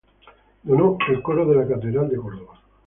Donó el coro de la Catedral de Córdoba.